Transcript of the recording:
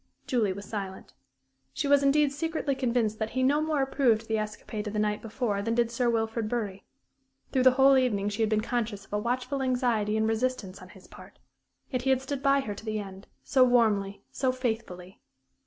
Julie was silent. She was indeed secretly convinced that he no more approved the escapade of the night before than did Sir Wilfrid Bury. Through the whole evening she had been conscious of a watchful anxiety and resistance on his part. Yet he had stood by her to the end so warmly, so faithfully.